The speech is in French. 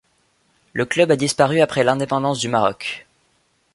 Le club a disparu après l'indépendance du Maroc.